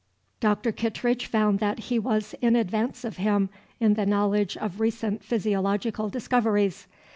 Doctor Kittredge found that he was in advance of him in the knowledge of recent physiological discoveries.